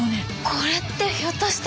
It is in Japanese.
これってひょっとして。